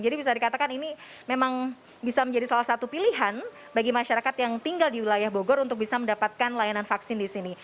jadi bisa dikatakan ini memang bisa menjadi salah satu pilihan bagi masyarakat yang tinggal di wilayah bogor untuk bisa mendapatkan layanan vaksin di sini